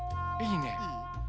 いいね。